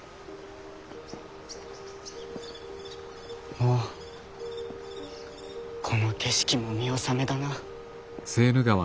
もうこの景色も見納めだな。